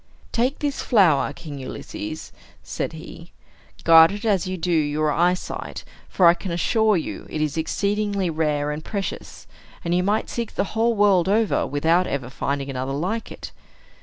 "Take this flower, King Ulysses," said he. "Guard it as you do your eyesight; for I can assure you it is exceedingly rare and precious, and you might seek the whole earth over without ever finding another like it.